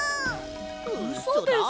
うそです。